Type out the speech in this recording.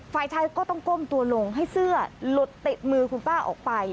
ฝ่ายชายก็ต้องก้มตัวลงให้เสื้อหลุดติดมือคุณป้าออกไป